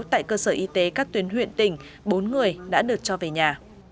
tại cơ sở y tế các tuyến huyện tỉnh bốn người đã được cho về nhà